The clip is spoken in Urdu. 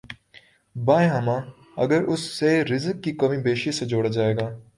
بایں ہمہ، اگر اسے رزق کی کم بیشی سے جوڑا جائے گا۔